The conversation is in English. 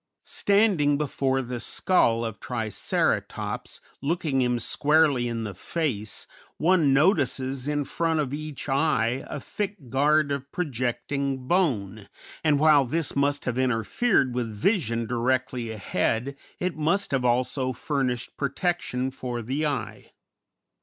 Standing before the skull of Triceratops, looking him squarely in the face, one notices in front of each eye a thick guard of projecting bone, and while this must have interfered with vision directly ahead it must have also furnished protection for the eye.